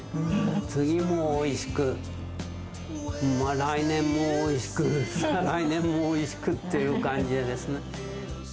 次もおいしく、来年もおいしく、再来年もおいしくっていう感じですね。